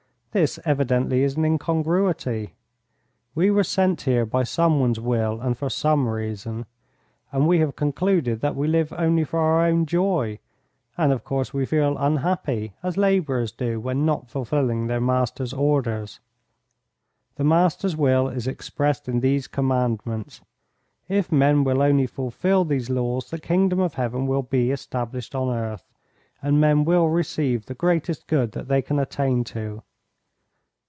This evidently is an incongruity. We were sent here by some one's will and for some reason. And we have concluded that we live only for our own joy, and of course we feel unhappy as labourers do when not fulfilling their Master's orders. The Master's will is expressed in these commandments. If men will only fulfil these laws, the Kingdom of Heaven will be established on earth, and men will receive the greatest good that they can attain to.